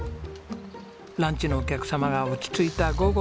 ランチのお客様が落ち着いた午後。